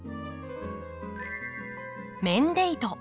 メンデイト。